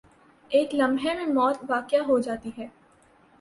ایک لمحے میں موت واقع ہو جاتی ہے۔